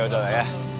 yaudah lah ya